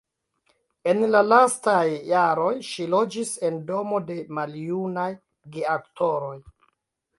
En la lastaj jaroj ŝi loĝis en domo de maljunaj geaktoroj.